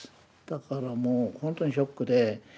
だからもう本当にショックで。